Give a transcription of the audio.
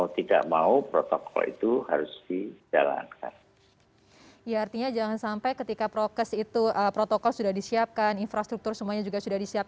terima kasih juga